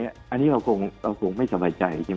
อันนี้เราคงไม่สบายใจ